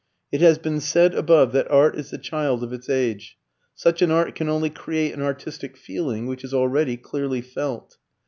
It has been said above that art is the child of its age. Such an art can only create an artistic feeling which is already clearly felt.